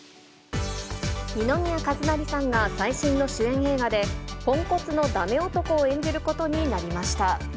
二宮和也さんが最新の主演映画で、ポンコツのダメ男を演じることになりました。